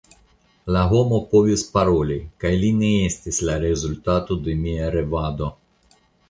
La homo povis paroli, kaj li ne estis la rezultato de mia revado.